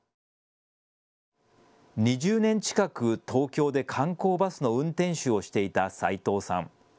２０年近く東京で観光バスの運転手をしていた齋藤さん。